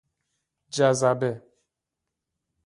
جزبه